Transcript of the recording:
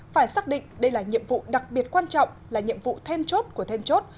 phải xác định đây là nhiệm vụ đặc biệt quan trọng là nhiệm vụ then chốt của then chốt